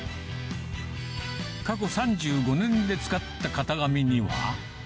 過去３５年で使った型紙には。